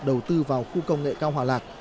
đầu tư vào khu công nghệ cao hòa lạc